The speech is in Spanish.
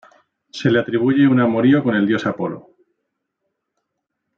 Se le atribuye un amorío con el dios Apolo.